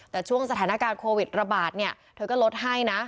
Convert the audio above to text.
แต่ช่วงสถานการณ์โควิดระบาดเนี่ยเธอก็ลดให้นะ